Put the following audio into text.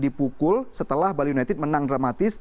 dipukul setelah bali united menang dramatis